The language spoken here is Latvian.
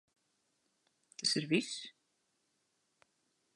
Tas ir viss?